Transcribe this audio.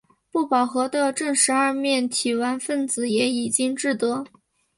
不饱和的正十二面体烷分子也已经制得。